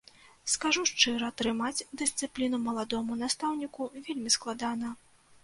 Скажу шчыра, трымаць дысцыпліну маладому настаўніку вельмі складана.